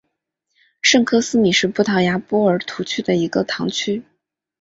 圣科斯米是葡萄牙波尔图区的一个堂区。